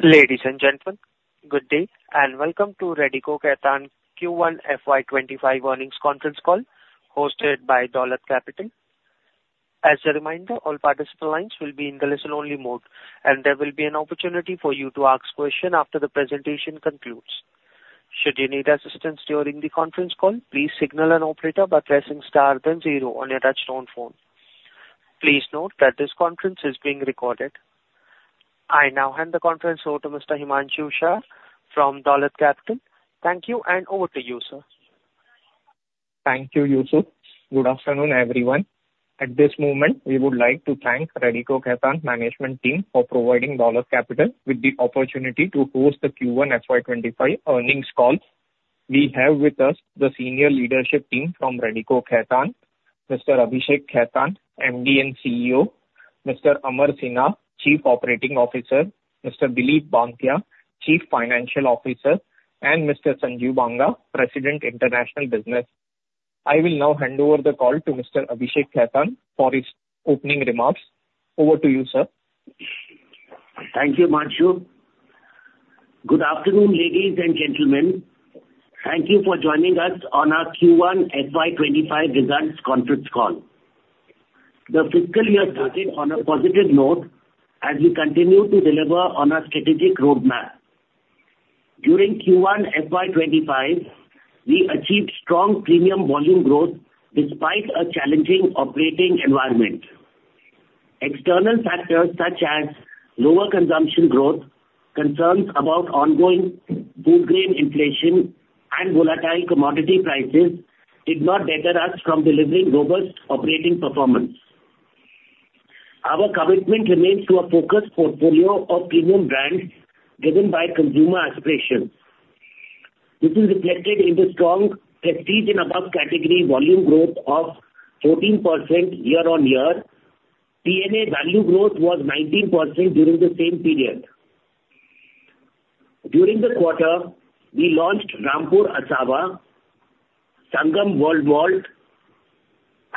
Ladies and gentlemen, good day, and welcome to Radico Khaitan Q1 FY25 Earnings Conference Call, hosted by Dolat Capital. As a reminder, all participant lines will be in the listen-only mode, and there will be an opportunity for you to ask questions after the presentation concludes. Should you need assistance during the conference call, please signal an operator by pressing star then zero on your touchtone phone. Please note that this conference is being recorded. I now hand the conference over to Mr. Himanshu Shah from Dolat Capital. Thank you, and over to you, sir. Thank you, Yusuf. Good afternoon, everyone. At this moment, we would like to thank Radico Khaitan management team for providing Dolat Capital with the opportunity to host the Q1 FY25 Earnings Call. We have with us the senior leadership team from Radico Khaitan, Mr. Abhishek Khaitan, MD and CEO, Mr. Amar Sinha, Chief Operating Officer, Mr. Dilip Banthiya, Chief Financial Officer, and Mr. Sanjeev Banga, President, International Business. I will now hand over the call to Mr. Abhishek Khaitan for his opening remarks. Over to you, sir. Thank you, Himanshu. Good afternoon, ladies and gentlemen. Thank you for joining us on our Q1 FY25 results conference call. The fiscal year started on a positive note as we continue to deliver on our strategic roadmap. During Q1 FY25, we achieved strong premium volume growth despite a challenging operating environment. External factors such as lower consumption growth, concerns about ongoing food grain inflation, and volatile commodity prices did not deter us from delivering robust operating performance. Our commitment remains to a focused portfolio of premium brands driven by consumer aspirations. This is reflected in the strong prestige and above category volume growth of 14% year-on-year. P&A value growth was 19% during the same period. During the quarter, we launched Rampur Asava, Sangam World Malt,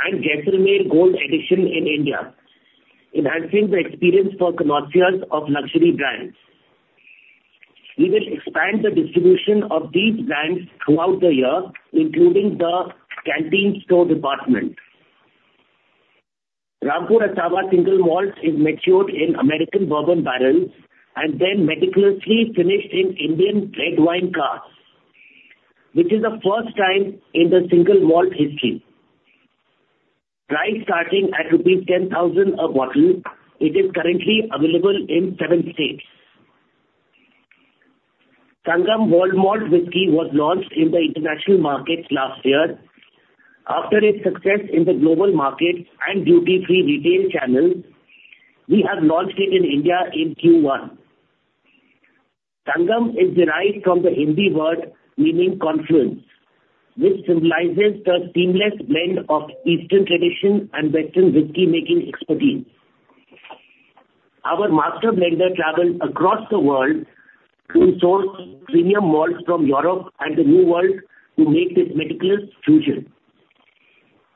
and Jaisalmer Gold Edition in India, enhancing the experience for connoisseurs of luxury brands. We will expand the distribution of these brands throughout the year, including the Canteen Stores Department. Rampur Asava single malt is matured in American bourbon barrels and then meticulously finished in Indian red wine casks, which is the first time in the single malt history. Priced starting at INR 10,000 a bottle, it is currently available in seven states. Sangam World Malt Whisky was launched in the international markets last year. After its success in the global market and duty-free retail channels, we have launched it in India in Q1. Sangam is derived from the Hindi word meaning confluence, which symbolizes the seamless blend of Eastern tradition and Western whisky-making expertise. Our master blender traveled across the world to source premium malts from Europe and the New World to make this meticulous fusion.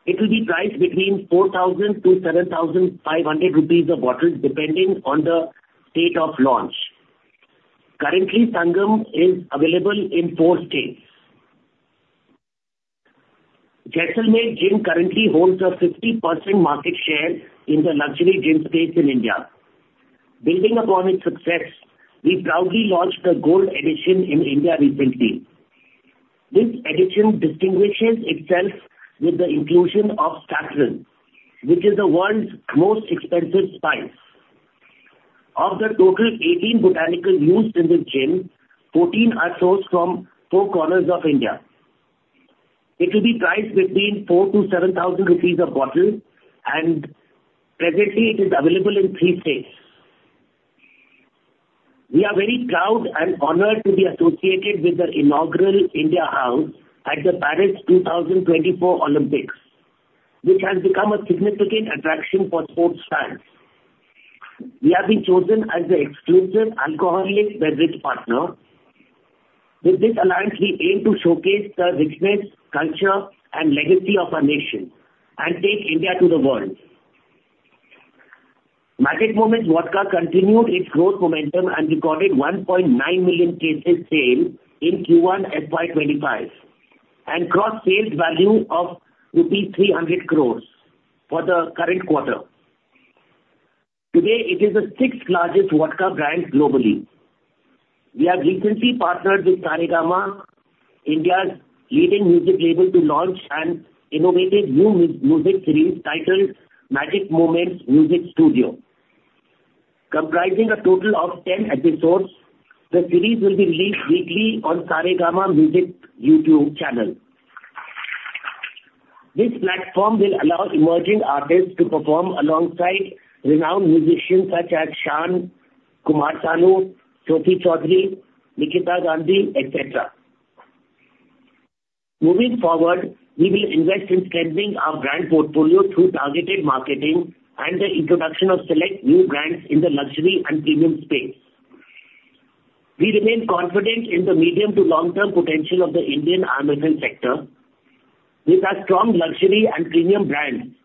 It will be priced between 4,000-7,500 rupees a bottle, depending on the state of launch. Currently, Sangam is available in four states. Jaisalmer Gin currently holds a 50% market share in the luxury gin space in India. Building upon its success, we proudly launched a Gold Edition in India recently. This edition distinguishes itself with the inclusion of saffron, which is the world's most expensive spice. Of the total 18 botanicals used in the gin, 14 are sourced from four corners of India. It will be priced between 4,000-7,000 rupees a bottle, and presently it is available in three states. We are very proud and honored to be associated with the inaugural India House at the Paris 2024 Olympics, which has become a significant attraction for sports fans. We have been chosen as the exclusive alcoholic beverage partner. With this alliance, we aim to showcase the richness, culture, and legacy of our nation and take India to the world. Magic Moments Vodka continued its growth momentum and recorded 1.9 million cases sale in Q1 FY25, and gross sales value of rupees 300 crores for the current quarter. Today, it is the sixth-largest vodka brand globally. We have recently partnered with Saregama, India's leading music label, to launch an innovative new music series titled Magic Moments Music Studio. Comprising a total of 10 episodes, the series will be released weekly on Saregama Music YouTube channel. This platform will allow emerging artists to perform alongside renowned musicians such as Shaan, Kumar Sanu, Sophie Choudry, Nikhita Gandhi, et cetera. Moving forward, we will invest in strengthening our brand portfolio through targeted marketing and the introduction of select new brands in the luxury and premium space. We remain confident in the medium to long-term potential of the Indian IMFL sector. With our strong luxury and premium brand,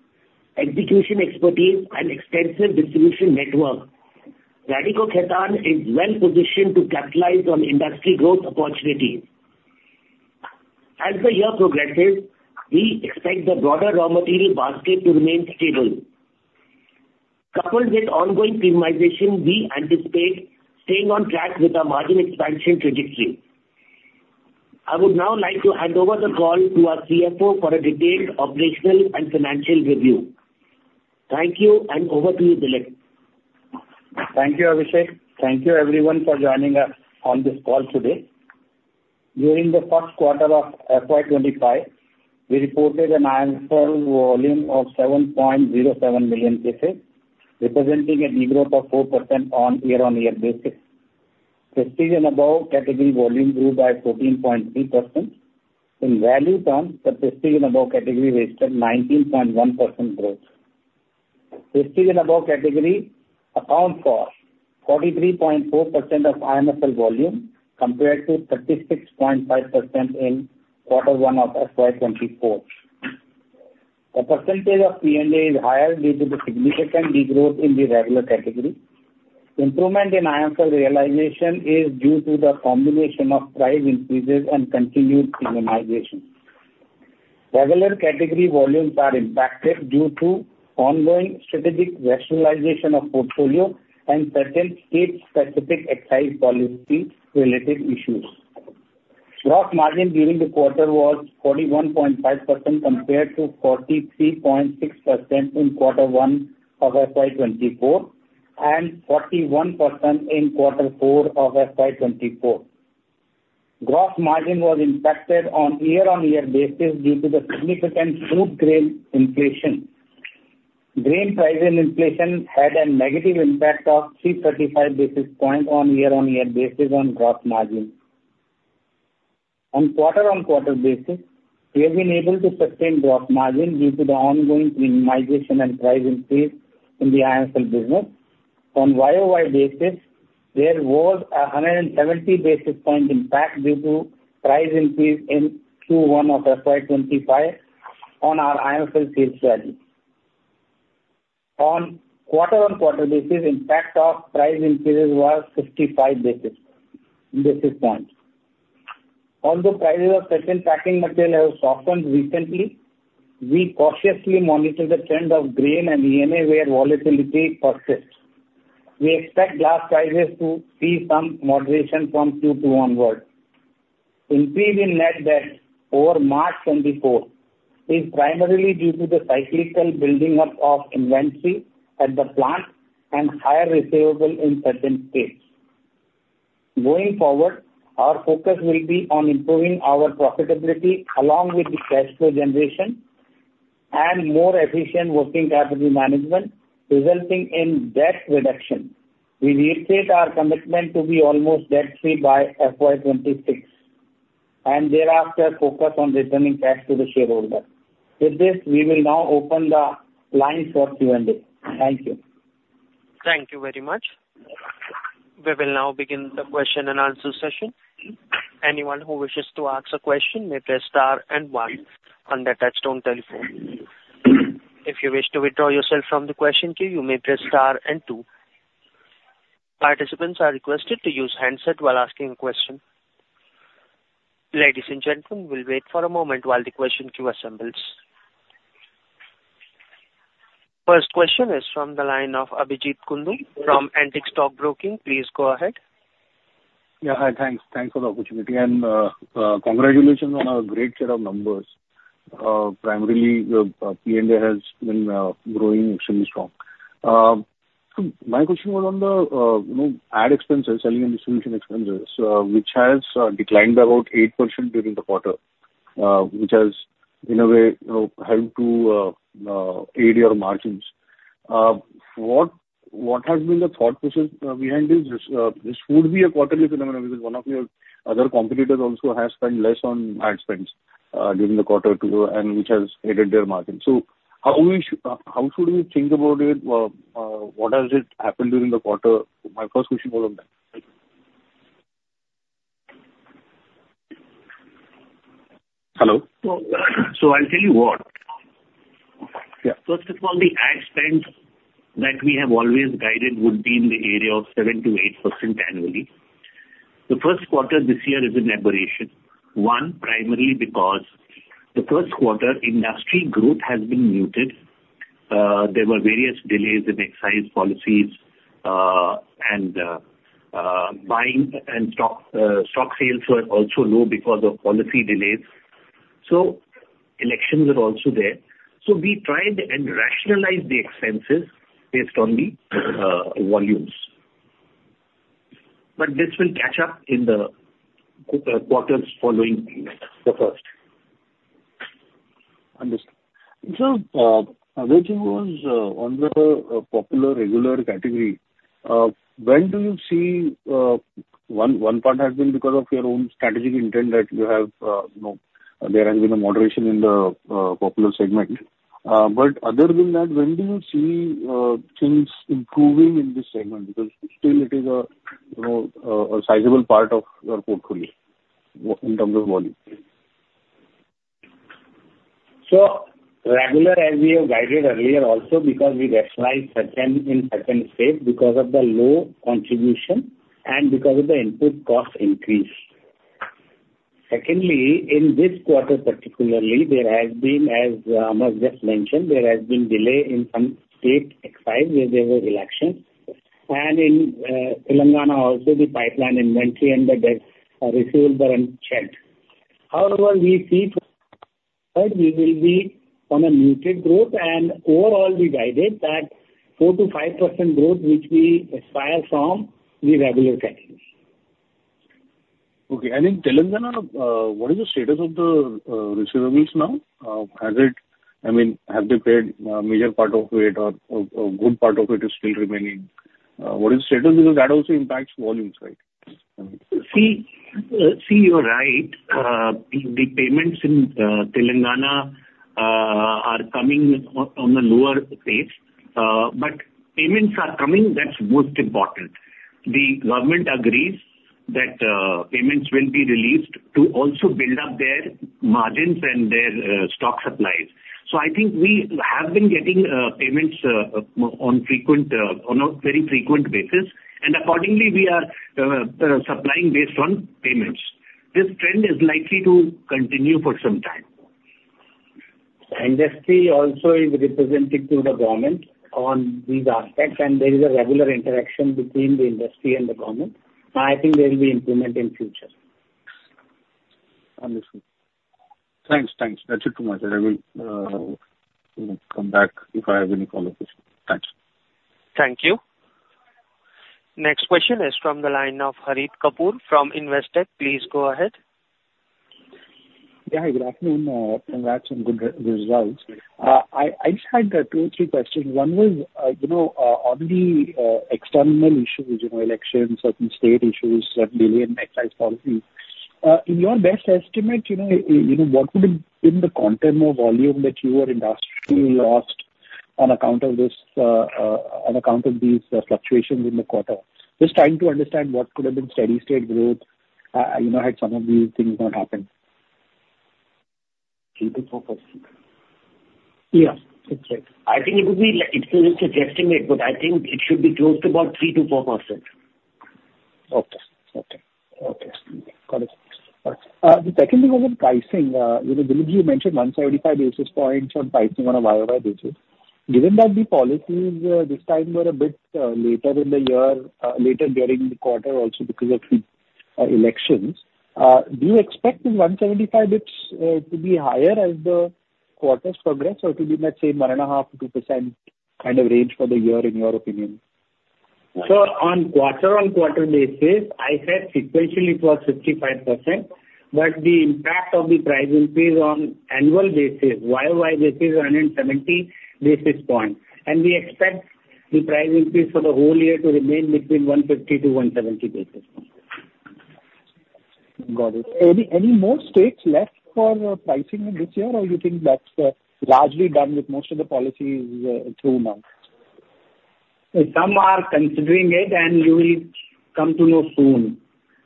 execution expertise, and extensive distribution network, Radico Khaitan is well positioned to capitalize on industry growth opportunities. As the year progresses, we expect the broader raw material basket to remain stable. Coupled with ongoing premiumization, we anticipate staying on track with our margin expansion trajectory. I would now like to hand over the call to our CFO for a detailed operational and financial review. Thank you, and over to you, Dilip. Thank you, Abhishek. Thank you everyone for joining us on this call today. During the first quarter of FY25, we reported an IMFL volume of 7.07 million cases, representing a de-growth of 4% on year-on-year basis. Prestige and above category volume grew by 14.3%. In value terms, the Prestige and above category registered 19.1% growth. Prestige and above category account for 43.4% of IMFL volume, compared to 36.5% in quarter one of FY24. The percentage of P&A is higher due to the significant de-growth in the regular category. Improvement in IMFL realization is due to the combination of price increases and continued premiumization. Regular category volumes are impacted due to ongoing strategic rationalization of portfolio and certain state specific excise policy related issues. Gross margin during the quarter was 41.5%, compared to 43.6% in quarter one of FY24, and 41% in quarter four of FY24. Gross margin was impacted on year-on-year basis due to the significant crude grain inflation. Grain price and inflation had a negative impact of 335 basis points on year-on-year basis on gross margin. On quarter-on-quarter basis, we have been able to sustain gross margin due to the ongoing premiumization and price increase in the IMFL business. On YOY basis, there was a 170 basis point impact due to price increase in Q1 of FY25 on our IMFL sales value. On quarter-on-quarter basis, impact of price increases was 55 basis points. Although prices of certain packing material have softened recently, we cautiously monitor the trend of grain and ENA where volatility persists. We expect glass prices to see some moderation from Q2 onward. Increase in net debt over March 2024 is primarily due to the cyclical building up of inventory at the plant and higher receivables in certain states. Going forward, our focus will be on improving our profitability along with the cash flow generation and more efficient working capital management, resulting in debt reduction. We reiterate our commitment to be almost debt free by FY26, and thereafter focus on returning cash to the shareholder. With this, we will now open the line for Q&A. Thank you. Thank you very much. We will now begin the question and answer session. Anyone who wishes to ask a question may press star and one on the touchtone telephone. If you wish to withdraw yourself from the question queue, you may press star and two. Participants are requested to use handset while asking a question. Ladies and gentlemen, we'll wait for a moment while the question queue assembles. First question is from the line of Abhijeet Kundu from Antique Stock Broking. Please go ahead. Yeah. Hi, thanks. Thanks for the opportunity, and, congratulations on a great set of numbers. Primarily, your P&A has been growing extremely strong. So my question was on the, you know, ad expenses, selling and solution expenses, which has declined about 8% during the quarter, which has, in a way, aided your margins. What, what has been the thought process behind this? This, this could be a quarterly phenomenon, because one of your other competitors also has spent less on ad spends during the quarter, too, and which has aided their margin. So how should we think about it? What has it happened during the quarter? My first question was on that. Thank you. Hello? So, I'll tell you what. Yeah. First of all, the ad spends that we have always guided would be in the area of 7% to 8% annually. The first quarter this year is an aberration. One, primarily because the first quarter industry growth has been muted. There were various delays in excise policies, and, buying and stock, stock sales were also low because of policy delays. So elections are also there. So we tried and rationalized the expenses based on the, volumes. But this will catch up in the quarters following the first. Understood. So, other thing was, on the popular regular category, when do you see... One part has been because of your own strategic intent that you have, you know, there has been a moderation in the popular segment. But other than that, when do you see things improving in this segment? Because still it is a-... you know, a sizable part of your portfolio, in terms of volume? So regular, as we have guided earlier also, because we rationalize certain in certain states because of the low contribution and because of the input cost increase. Secondly, in this quarter particularly, there has been, as, Amar just mentioned, there has been delay in some state excise, where there was election. And in, Telangana also, the pipeline inventory and the debts are receivable are unchecked. However, we see we will be on a muted growth and overall we guided that 4% to 5% growth, which we aspire from the regular categories. Okay. And in Telangana, what is the status of the receivables now? I mean, have they paid a major part of it or a good part of it is still remaining? What is the status? Because that also impacts volumes, right? See, see, you're right. The payments in Telangana are coming on a lower pace. But payments are coming, that's most important. The government agrees that payments will be released to also build up their margins and their stock supplies. So I think we have been getting payments on a very frequent basis, and accordingly, we are supplying based on payments. This trend is likely to continue for some time. Industry also is represented to the government on these aspects, and there is a regular interaction between the industry and the government. I think there will be improvement in future. Understood. Thanks, thanks. That's it from my side. I will, you know, come back if I have any follow-ups. Thanks. Thank you. Next question is from the line of Harit Kapoor from Investec. Please go ahead. Yeah, good afternoon, congrats on good results. I just had two or three questions. One was, you know, on the external issues, you know, elections, certain state issues, certain delay in excise policies, in your best estimate, you know, what would have been the quantum of volume that you or industry lost on account of this, on account of these fluctuations in the quarter? Just trying to understand what could have been steady state growth, you know, had some of these things not happened. 3% to 4%. Yeah, that's right. I think it would be like... It's only suggesting it, but I think it should be close to about 3% to 4%. Okay. Okay. Okay, got it. All right. The second thing was on pricing. You know, Dilip, you mentioned 175 basis points on pricing on a YOY basis. Given that the policies, this time were a bit, later in the year, later during the quarter also because of the, elections, do you expect the 175 bits, to be higher as the quarters progress, or to be let's say, 1.5% to 2% kind of range for the year, in your opinion? On quarter-on-quarter basis, I said sequentially it was 55%, but the impact of the price increase on annual basis, YOY basis, is 170 basis points. We expect the price increase for the whole year to remain between 150 to 170 basis points. Got it. Any more states left for pricing in this year, or you think that's largely done with most of the policies through now? Some are considering it, and you will come to know soon.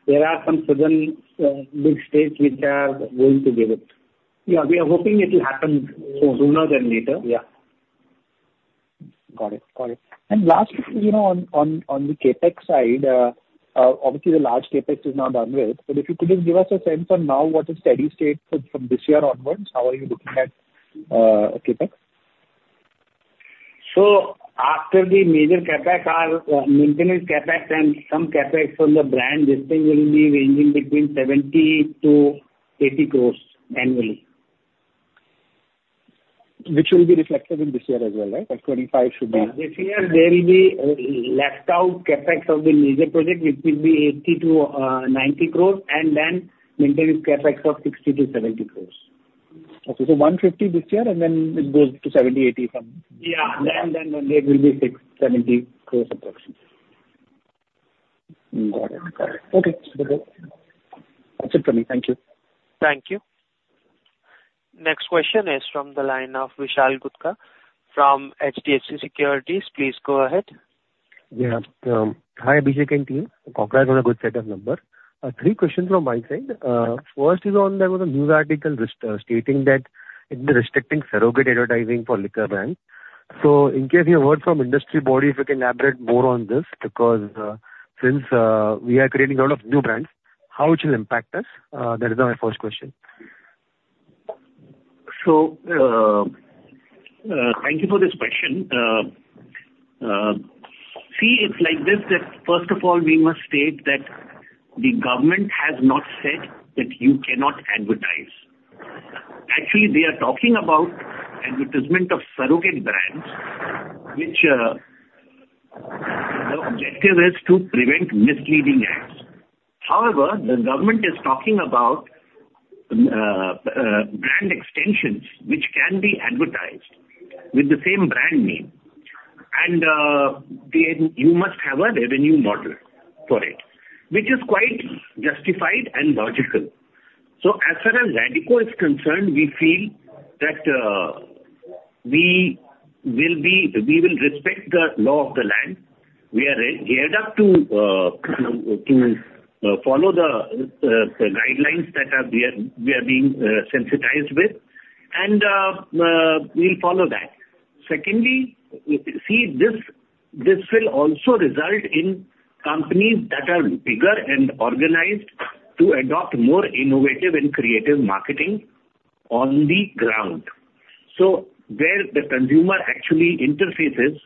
There are some Southern, big states which are going to give it. Yeah, we are hoping it will happen so sooner than later. Yeah. Got it. Got it. And last, you know, on the CapEx side, obviously the large CapEx is now done with, but if you could just give us a sense on now what is steady state for from this year onwards, how are you looking at CapEx? After the major CapEx, our maintenance CapEx and some CapEx from the brand, this thing will be ranging between 70 crore-80 crore annually. Which will be reflected in this year as well, right? Like 25 should be- This year there will be left out CapEx of the major project, which will be 80-90 crores, and then maintenance CapEx of 60-70 crores. Okay, so 150 this year, and then it goes to 70, 80 something? Yeah. Then it will be INR 670 crores approximately. Got it. Got it. Okay, super. That's it for me. Thank you. Thank you. Next question is from the line of Vishal Gupta from HDFC Securities. Please go ahead. Yeah. Hi, ABK team. Congrats on a good set of numbers. Three questions from my side. First is on there was a news article stating that it be restricting surrogate advertising for liquor brands. So in case you heard from industry body, if you can elaborate more on this, because since we are creating a lot of new brands, how it will impact us? That is my first question. So, thank you for this question. See, it's like this, that first of all, we must state that the government has not said that you cannot advertise. Actually, they are talking about advertisement of surrogate brands, which the objective is to prevent misleading ads. However, the government is talking about brand extensions, which can be advertised with the same brand name. You must have a revenue model for it, which is quite justified and logical. So as far as Radico is concerned, we feel that we will respect the law of the land. We are geared up to follow the guidelines that we are being sensitized with, and we'll follow that. Secondly, this will also result in companies that are bigger and organized to adopt more innovative and creative marketing on the ground. So where the consumer actually interfaces,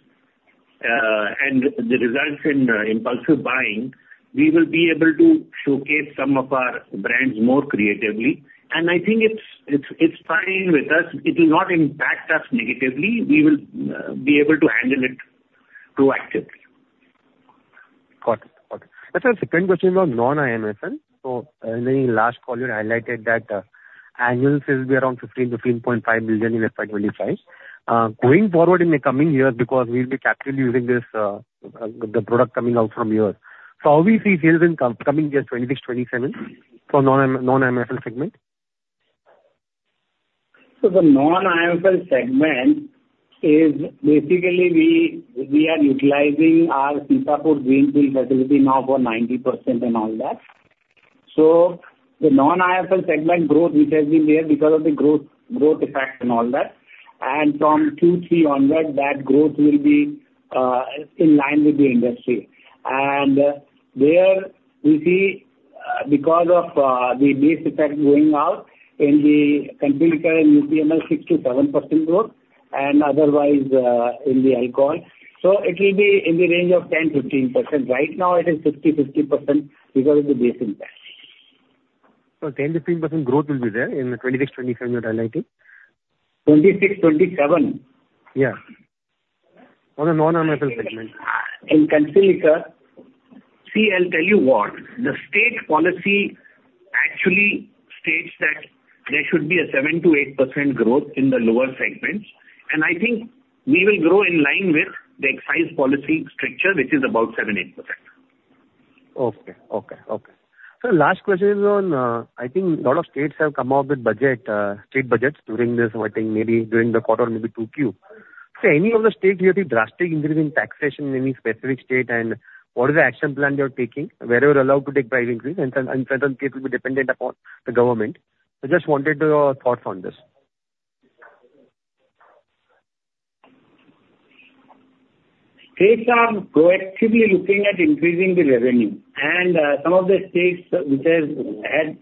and it results in impulsive buying, we will be able to showcase some of our brands more creatively, and I think it's fine with us. It will not impact us negatively. We will be able to handle it proactively. Got it. Got it. And sir, second question about non-IMFL. So, in the last call, you highlighted that, annual sales will be around 15 billion-15.5 billion in FY25. Going forward in the coming years, because we'll be capturing using this, the product coming out from here. So how we see sales in coming years 2026, 2027 for non-IMFL segment? So the non-IMFL segment is basically we are utilizing our Sitapur greenfield facility now for 90% and all that. So the non-IMFL segment growth, which has been there because of the growth, growth effect and all that, and from Q3 onwards, that growth will be in line with the industry. And there we see because of the base effect going out in the consumer and UPML 6%-7% growth and otherwise in the alcohol. So it will be in the range of 10%-15%. Right now, it is 50-50% because of the base impact. 10%-15% growth will be there in 2026, 2027 you're highlighting? '2026, '2027? Yeah. On a non-IMFL segment. In consumer... See, I'll tell you what, the state policy actually states that there should be a 7%-8% growth in the lower segments, and I think we will grow in line with the Excise Policy structure, which is about 7-8%. Okay. Okay, okay. So last question is on, I think a lot of states have come out with budget, state budgets during this, I think maybe during the quarter or maybe 2Q. So any of the states you see drastic increase in taxation in any specific state, and what is the action plan you're taking, where you're allowed to take price increase and some, and certain states will be dependent upon the government? I just wanted your thought on this. States are proactively looking at increasing the revenue, and some of the states which have had-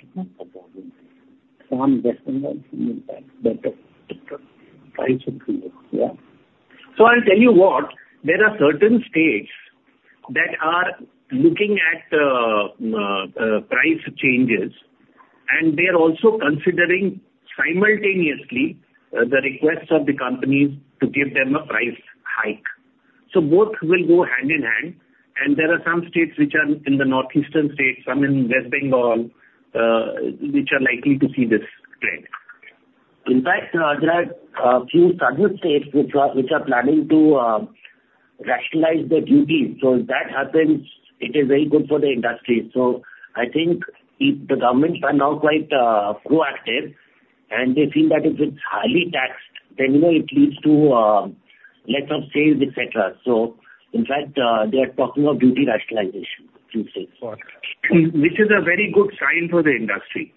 Some West Bengal impact, but the price increase. Yeah. So I'll tell you what, there are certain states that are looking at price changes, and they are also considering simultaneously the requests of the companies to give them a price hike. So both will go hand in hand, and there are some states which are in the northeastern states, some in West Bengal, which are likely to see this trend. In fact, there are a few southern states which are planning to rationalize their duties. So if that happens, it is very good for the industry. So I think if the governments are now quite proactive and they feel that if it's highly taxed, then, you know, it leads to lesser sales, etc. So in fact, they are talking of duty rationalization, few states. Got it. Which is a very good sign for the industry.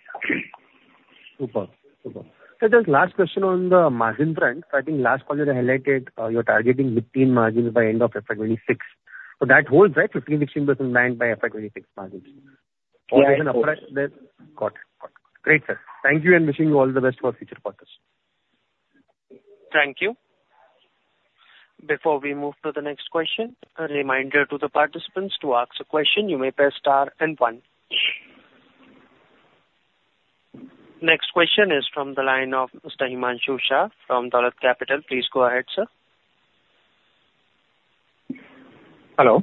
Super. Super. So just last question on the margin front. I think last quarter you highlighted, you're targeting 15 margins by end of FY26. So that holds right, 15-16% margin by FY26 margins? Yeah, of course. Got it. Got it. Great, sir. Thank you and wishing you all the best for future quarters. Thank you. Before we move to the next question, a reminder to the participants, to ask a question, you may press star and one. Next question is from the line of Mr. Himanshu Shah from Dolat Capital. Please go ahead, sir. Hello?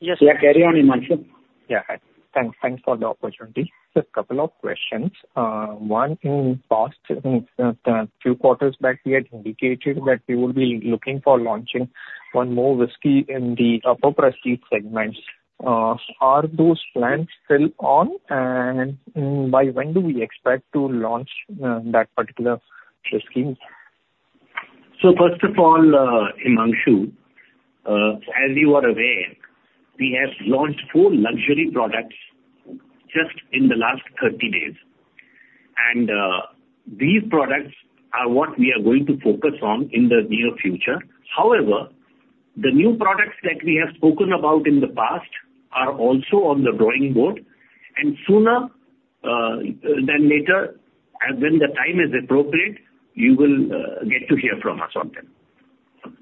Yes, carry on, Himanshu. Yeah. Hi. Thanks for the opportunity. Just a couple of questions. One, in the past few quarters back, you had indicated that you will be looking for launching one more whiskey in the upper prestige segments. Are those plans still on? And, by when do we expect to launch that particular whiskey? So first of all, Himanshu, as you are aware, we have launched four luxury products just in the last 30 days, and these products are what we are going to focus on in the near future. However, the new products that we have spoken about in the past are also on the drawing board, and sooner than later, and when the time is appropriate, you will get to hear from us on them.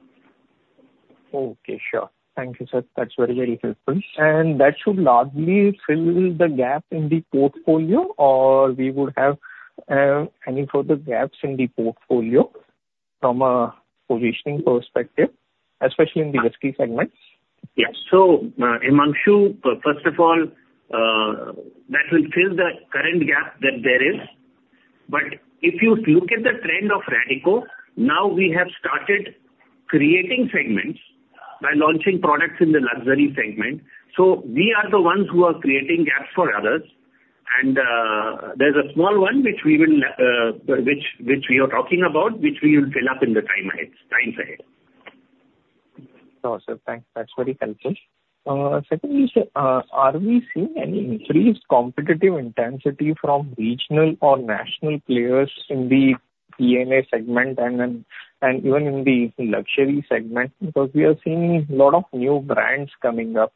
Okay, sure. Thank you, sir. That's very, very helpful. And that should largely fill the gap in the portfolio, or we would have any further gaps in the portfolio from a positioning perspective, especially in the whiskey segment? Yes. So, Himanshu, first of all, that will fill the current gap that there is. But if you look at the trend of Radico, now we have started creating segments by launching products in the luxury segment. So we are the ones who are creating gaps for others- ...And, there's a small one which we are talking about, which we will fill up in the times ahead. No, sir, thanks. That's very helpful. Secondly, sir, are we seeing any increased competitive intensity from regional or national players in the P&A segment and then, and even in the luxury segment? Because we are seeing a lot of new brands coming up,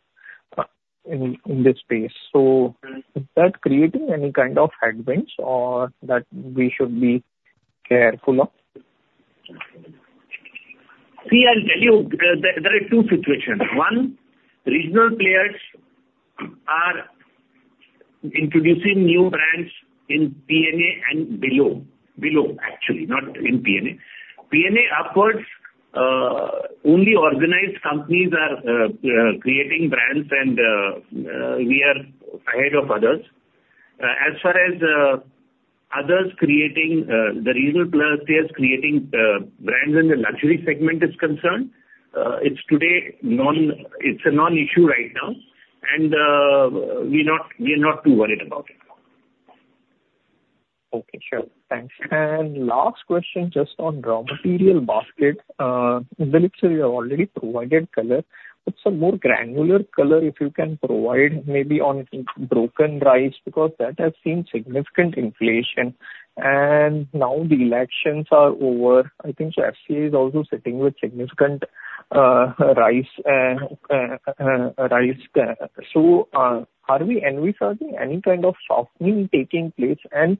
in, in this space. So- Mm. Is that creating any kind of headwinds or that we should be careful of? See, I'll tell you, there, there are two situations. One, regional players are introducing new brands in PNA and below, below actually, not in PNA. PNA upwards, only organized companies are, creating brands and, we are ahead of others. As far as, others creating, the regional players creating, brands in the luxury segment is concerned, it's today non-- it's a non-issue right now, and, we're not, we're not too worried about it. Okay, sure. Thanks. And last question, just on raw material basket. Well, actually you have already provided color, but some more granular color if you can provide maybe on broken rice, because that has seen significant inflation. And now the elections are over. I think FCI is also sitting with significant rice. So, are we envisaging any kind of softening taking place, and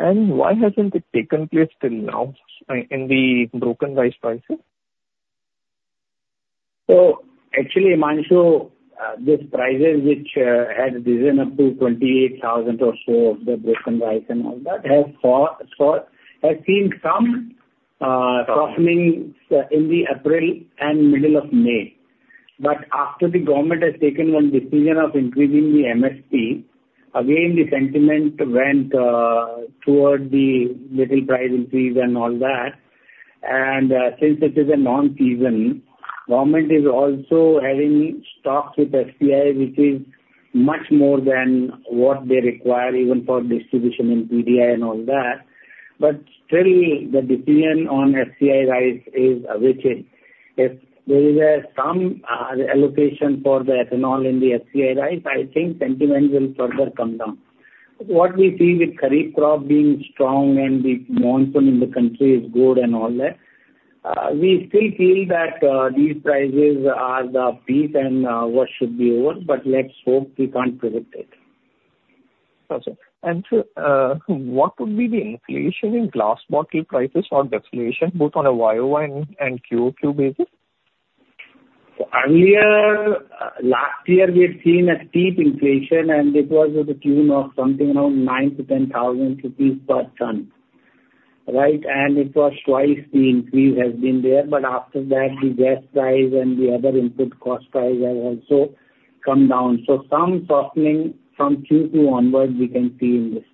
why hasn't it taken place till now in the broken rice prices? So actually, Manish, so, these prices, which had risen up to 28,000 or so of the broken rice and all that, has seen some softening in April and middle of May. But after the government has taken one decision of increasing the MSP, again, the sentiment went toward the little price increase and all that. And since it is a non-season, government is also having stocks with FCI, which is much more than what they require, even for distribution in PDI and all that. But still the decision on FCI rice is awaited. If there is some allocation for the ethanol in the FCI rice, I think sentiment will further come down. What we see with kharif crop being strong and the monsoon in the country is good and all that, we still feel that these prices are the peak and war should be over, but let's hope. We can't predict it. Got you. And so, what would be the inflation in glass bottle prices or distillation, both on a YOY and QOQ basis? Earlier, last year, we had seen a steep inflation, and it was to the tune of something around 9,000-10,000 rupees per ton. Right? And it was twice the increase has been there, but after that, the gas price and the other input cost price has also come down. So some softening from Q2 onwards, we can see in this.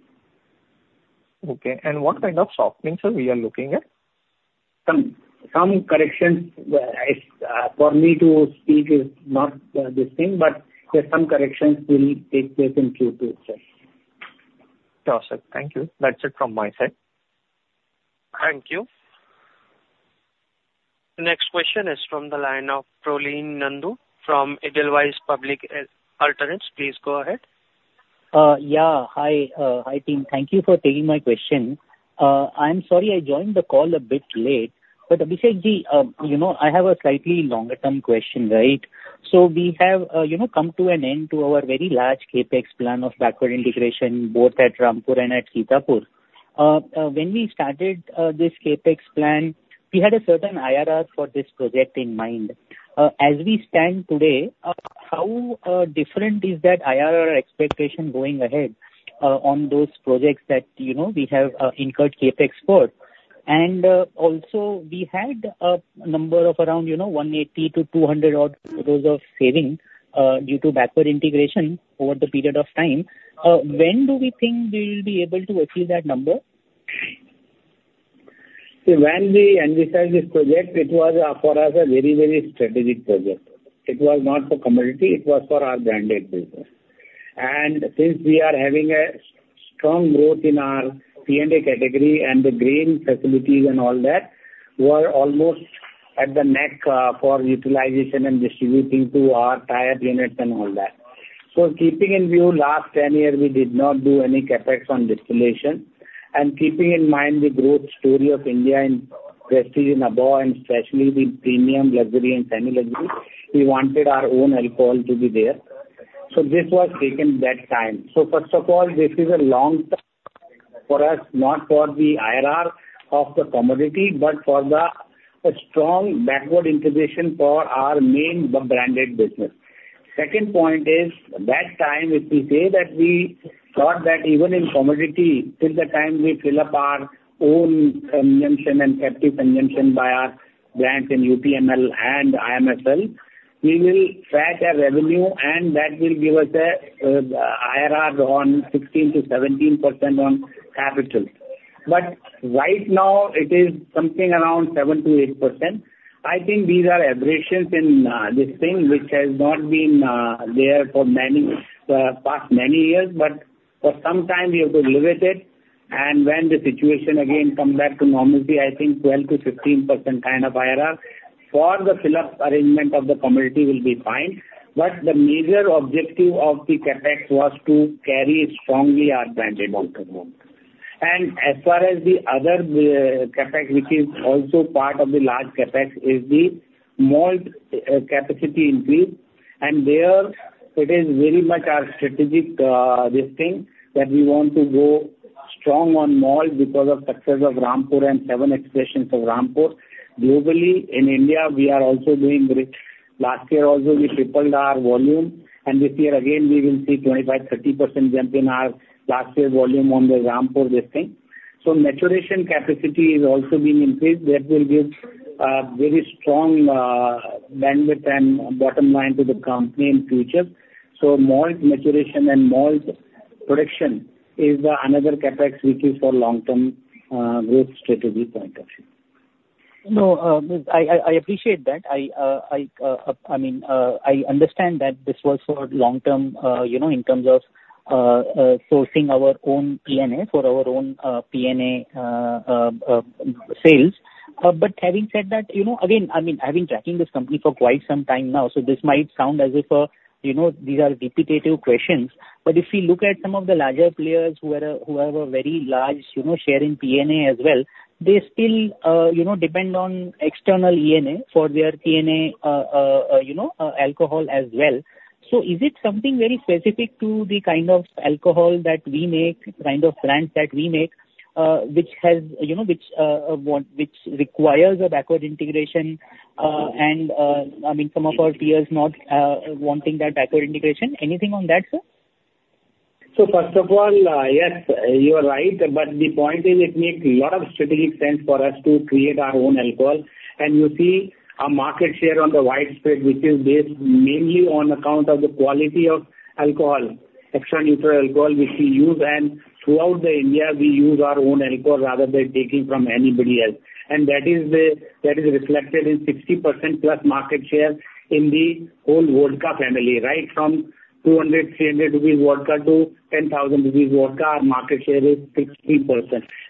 Okay, and what kind of softening, sir, we are looking at? Some corrections. It's for me to speak is not the thing, but there's some corrections will take place in Q2 itself. Got it, sir. Thank you. That's it from my side. Thank you. Next question is from the line of Prolin Nandu from Edelweiss Public Alternatives. Please go ahead. Yeah. Hi, hi, team. Thank you for taking my question. I'm sorry I joined the call a bit late, but Abhishek Ji, you know, I have a slightly longer term question, right? So we have, you know, come to an end to our very large CapEx plan of backward integration, both at Rampur and at Sitapur. When we started, this CapEx plan, we had a certain IRR for this project in mind. As we stand today, how different is that IRR expectation going ahead, on those projects that, you know, we have incurred CapEx for? And, also we had a number of around, you know, 180-200 odd crores of saving, due to backward integration over the period of time. When do we think we will be able to achieve that number? So when we envisaged this project, it was for us, a very, very strategic project. It was not for commodity, it was for our branded business. And since we are having a strong growth in our P&A category and the grain facilities and all that, we are almost at the neck for utilization and distributing to our tier units and all that. So keeping in view last 10 years, we did not do any CapEx on distillation. And keeping in mind the growth story of India and prestige and above, and especially the premium luxury and semi-luxury, we wanted our own alcohol to be there. So this was taken that time. So first of all, this is a long-term for us, not for the IRR of the commodity, but for a strong backward integration for our main branded business. Second point is, that time, if we say that we thought that even in commodity, till the time we fill up our own consumption and captive consumption by our brands in UPML and IMFL, we will fetch a revenue and that will give us a IRR on 16%-17% on capital. But right now, it is something around 7%-8%. I think these are aberrations in this thing, which has not been there for many past many years. But for some time, we have to limit it, and when the situation again come back to normalcy, I think 12%-15% kind of IRR for the fill-up arrangement of the commodity will be fine. But the major objective of the CapEx was to carry strongly our branded alcohol. As far as the other CapEx, which is also part of the large CapEx, is the malt capacity increase. There it is very much our strategic this thing that we want to go strong on malt because of success of Rampur and seven expansions of Rampur. Globally, in India, we are also doing great. Last year also, we tripled our volume, and this year again, we will see 25%-30% jump in our last year volume on the Rampur listing. So maturation capacity is also being increased. That will give very strong bandwidth and bottom line to the company in future. So malt maturation and malt production is another CapEx which is for long-term growth strategy point of view. No, I appreciate that. I mean, I understand that this was for long-term, you know, in terms of sourcing our own ENA for our own ENA sales. But having said that, you know, again, I mean, I've been tracking this company for quite some time now, so this might sound as if, you know, these are repetitive questions. But if you look at some of the larger players who have a very large, you know, share in ENA as well, they still, you know, depend on external ENA for their ENA, you know, alcohol as well. So is it something very specific to the kind of alcohol that we make, kind of brands that we make, which has, you know, which requires a backward integration, and I mean, some of our peers not wanting that backward integration? Anything on that, sir? So first of all, yes, you are right. But the point is, it makes a lot of strategic sense for us to create our own alcohol. And you see a market share on the widespread, which is based mainly on account of the quality of alcohol, extra neutral alcohol, which we use. And throughout India, we use our own alcohol rather than taking from anybody else. And that is, that is reflected in 60%+ market share in the whole vodka family, right from 200-300 rupees vodka to 10,000 rupees vodka, our market share is 60%,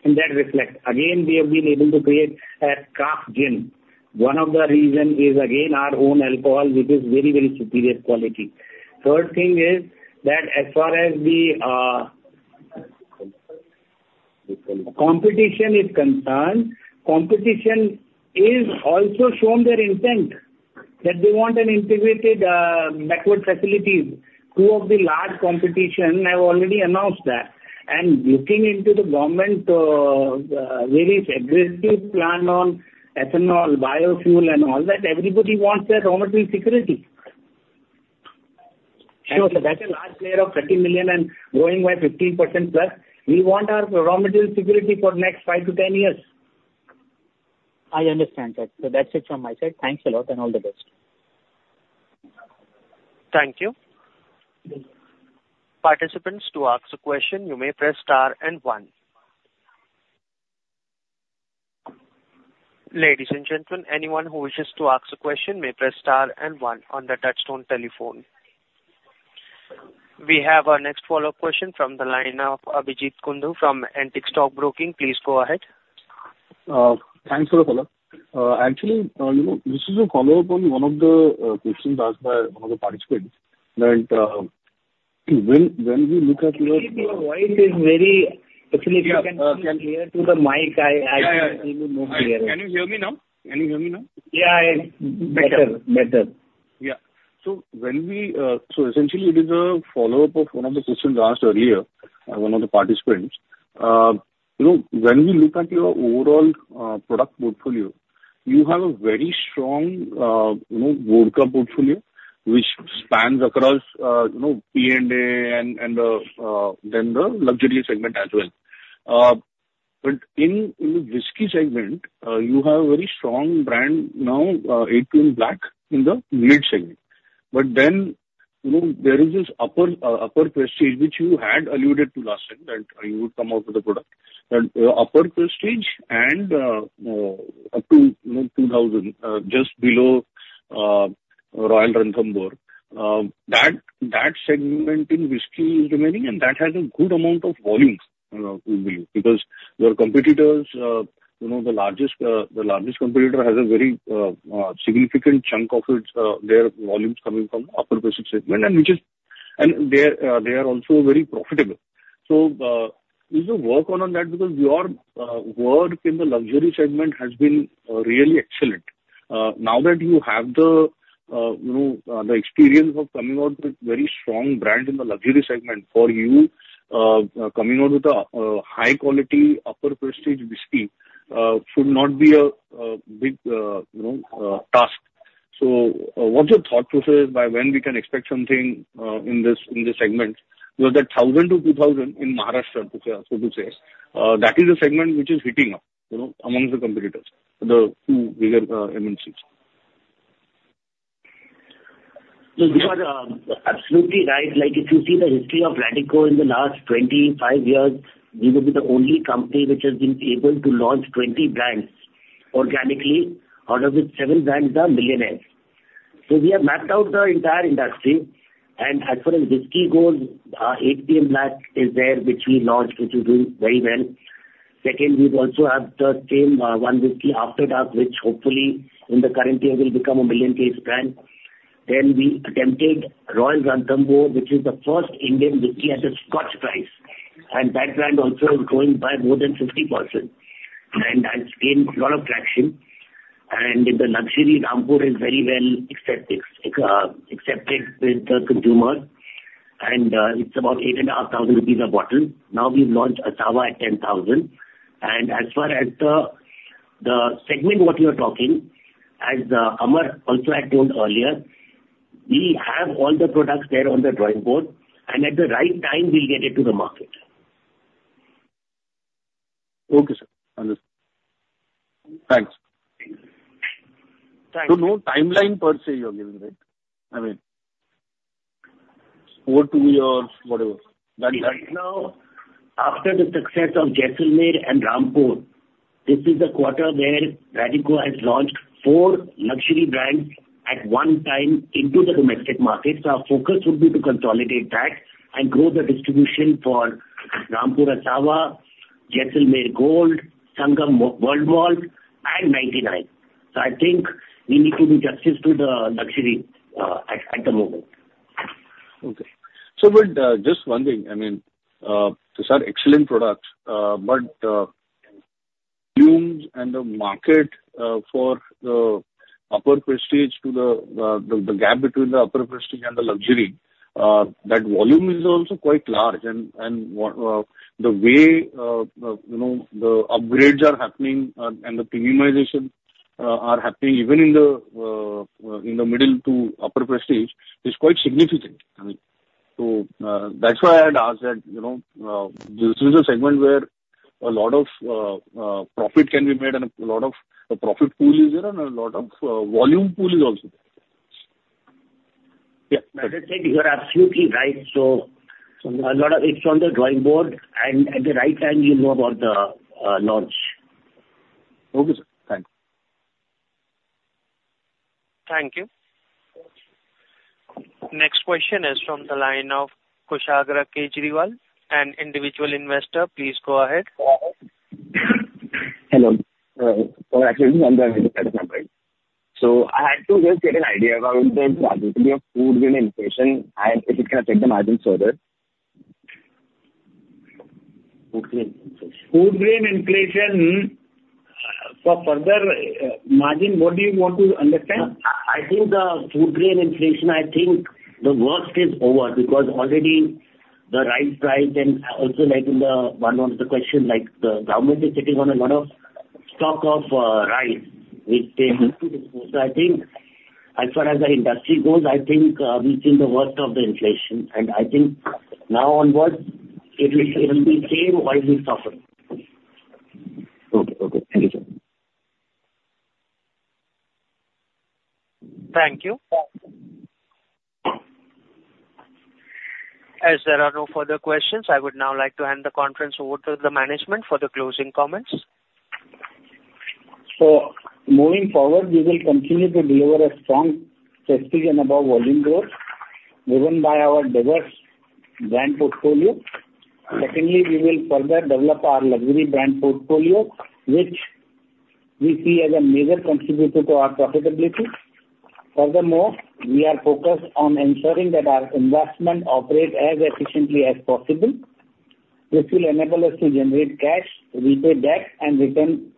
and that reflects. Again, we have been able to create a craft gin. One of the reason is, again, our own alcohol, which is very, very superior quality. Third thing is, that as far as the competition is concerned, competition is also shown their intent, that they want an integrated backward facilities. Two of the large competition have already announced that. And looking into the government very aggressive plan on ethanol, biofuel and all that, everybody wants their raw material security. Sure, sir. That's a large player of 30 million and growing by 15% plus. We want our raw material security for next 5 to 10 years. I understand that. So that's it from my side. Thanks a lot, and all the best. Thank you. Participants, to ask a question, you may press star and one. Ladies and gentlemen, anyone who wishes to ask a question may press star and one on the touchtone telephone. We have our next follow-up question from the line of Abhijeet Kundu from Antique Stock Broking. Please go ahead. Thanks for the follow-up. Actually, you know, this is a follow-up on one of the questions asked by one of the participants. But when we look at your- Your voice is very... Actually, you can speak near to the mic. Yeah. Can hear you more clearer. Can you hear me now? Can you hear me now? Yeah, I can. Better. Better. Better. Yeah. So when we, So essentially, it is a follow-up of one of the questions asked earlier by one of the participants. You know, when we look at your overall product portfolio, you have a very strong, you know, vodka portfolio, which spans across, you know, P&A and then the luxury segment as well. But in the whiskey segment, you have a very strong brand now, 8PM Black in the mid segment. But then, you know, there is this upper upper prestige, which you had alluded to last time, that you would come out with a product. But upper prestige and up to, you know, 2000 just below Royal Ranthambore, that segment in whiskey is remaining, and that has a good amount of volumes to believe. Because your competitors, you know, the largest competitor has a very significant chunk of its their volumes coming from upper prestige segment, and which is. And they are they are also very profitable. So, is the work on that because your work in the luxury segment has been really excellent. Now that you have the, you know, the experience of coming out with very strong brand in the luxury segment, for you, coming out with a high quality upper prestige whiskey should not be a big, you know, task. So what's your thought process? By when we can expect something in this segment? Because the 1,000-2,000 in Maharashtra, so to say, that is a segment which is hitting up, you know, amongst the competitors, the two bigger MNCs. ... No, because, absolutely right. Like, if you see the history of Radico in the last 25 years, we will be the only company which has been able to launch 20 brands organically, out of which seven brands are millionaires. So we have mapped out the entire industry, and as far as whiskey goes, our 8PM Black is there, which we launched, which is doing very well. Second, we've also had the same, one whiskey, After Dark, which hopefully in the current year will become a million case brand. Then we attempted Royal Ranthambore, which is the first Indian whiskey at a Scotch price, and that brand also is growing by more than 50%. And that's gained a lot of traction. And in the luxury, Rampur is very well accepted with the consumer, and it's about 8,500 rupees a bottle. Now, we've launched After Dark at 10,000. As far as the segment what you are talking, as Amar also had told earlier, we have all the products there on the drawing board, and at the right time, we'll get it to the market. Okay, sir. Understood. Thanks. Thanks. No timeline per se, you are giving, right? I mean, 4-8 years, whatever, that- Right now, after the success of Jaisalmer and Rampur, this is the quarter where Radico has launched four luxury brands at one time into the domestic market. So our focus would be to consolidate that and grow the distribution for Rampur Asava, Jaisalmer Gold, Sangam World Malt, and 99. So I think we need to do justice to the luxury at the moment. Okay. So but, just one thing, I mean, these are excellent products, but, volumes and the market, for the upper prestige to the, the gap between the upper prestige and the luxury, that volume is also quite large. And, what, the way, you know, the upgrades are happening, and the premiumization, are happening even in the, in the middle to upper prestige is quite significant. I mean, so, that's why I'd asked that, you know, this is a segment where a lot of profit can be made and a lot of profit pool is there and a lot of volume pool is also there. Yeah, as I said, you are absolutely right. So a lot of it's on the drawing board, and at the right time, you'll know about the launch. Okay, sir. Thank you. Thank you. Next question is from the line of Kushagra Kejriwal, an individual investor. Please go ahead. Hello. Actually, I'm the investor, right. So I had to just get an idea about the relativity of food grain inflation and if it can affect the margins further. Food grain inflation. For further margin, what do you want to understand? I think the food grain inflation, I think the worst is over, because already the rice price and also like in the one of the question, like, the government is sitting on a lot of stock of rice, which they need to dispose. So I think as far as the industry goes, I think we've seen the worst of the inflation, and I think now onwards, it will, it will be same or it will suffer. Okay. Okay. Thank you, sir. Thank you. As there are no further questions, I would now like to hand the conference over to the management for the closing comments. So moving forward, we will continue to deliver a strong prestige and above volume growth, driven by our diverse brand portfolio. Secondly, we will further develop our luxury brand portfolio, which we see as a major contributor to our profitability. Furthermore, we are focused on ensuring that our investment operates as efficiently as possible. This will enable us to generate cash, repay debt, and return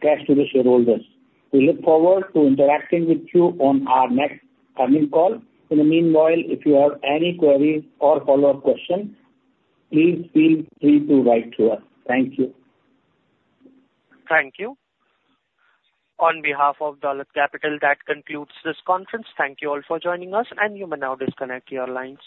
cash to the shareholders. We look forward to interacting with you on our next earnings call. In the meanwhile, if you have any queries or follow-up questions, please feel free to write to us. Thank you. Thank you. On behalf of Dolat Capital, that concludes this conference. Thank you all for joining us, and you may now disconnect your lines.